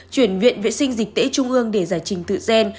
chuyển viện vệ sinh dịch tễ trung ương để giải trình tự gen